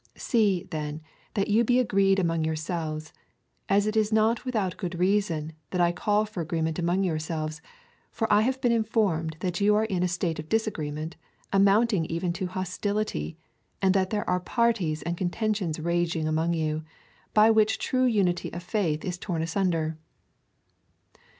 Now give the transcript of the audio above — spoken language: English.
See, then, that you be agreed among yourselves ; and it is not without good reason that I call for agreement among yourselves, for I have been informed tliat you are in a state of disagree ment, amounting even to hostility, and that there are i:)arties and contentions raging among you. by which true unity of faith is torn asunder.''